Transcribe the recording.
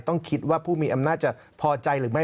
ต้องคิดว่าผู้มีอำนาจจะพอใจหรือไม่